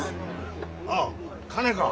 あっ金か。